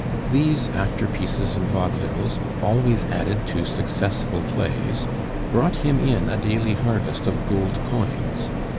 These after pieces and vaudevilles, always added to successful plays, brought him in a daily harvest of gold coins.